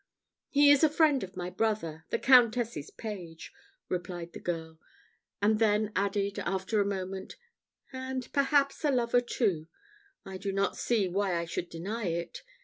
"He is a friend of my brother, the Countess's page," replied the girl; and then added, after a moment, "and, perhaps, a lover too. I do not see why I should deny it.